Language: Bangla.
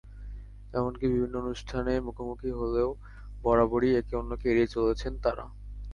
এমনকি বিভিন্ন অনুষ্ঠানে মুখোমুখি হলেও বরাবরই একে অন্যকে এড়িয়ে চলেছেন তাঁরা।